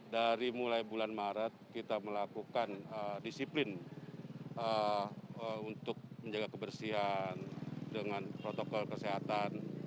dari mulai bulan maret kita melakukan disiplin untuk menjaga kebersihan dengan protokol kesehatan